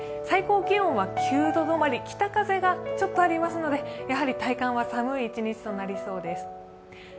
最高気温は９度止まり、北風がちょっとありますので、やはり体感は寒い一日となりそうです。